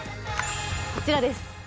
こちらです。